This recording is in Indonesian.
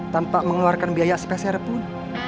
tanpa mengeluarkan biaya spesial pun